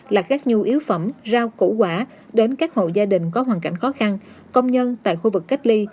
là các nhu yếu phẩm rau củ quả đến các hộ gia đình có hoàn cảnh khó khăn công nhân tại khu vực cách ly